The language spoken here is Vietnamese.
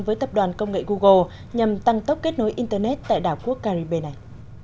với tập đoàn công nghệ google nhằm tăng tốc kết nối internet tại đảo quốc caribe này